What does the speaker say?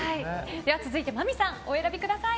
続いて、まみさんお選びください。